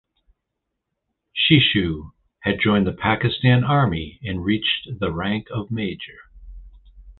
Shishu had joined the Pakistan Army and reached the rank of Major.